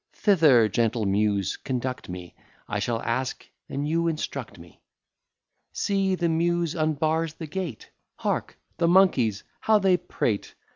Thither, gentle Muse, conduct me; I shall ask, and you instruct me. See, the Muse unbars the gate; Hark, the monkeys, how they prate!